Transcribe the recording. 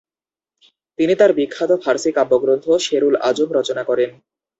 তিনি তার বিখ্যাত ফার্সি কাব্যগ্রন্থ শেরুল আজম রচনা করেন।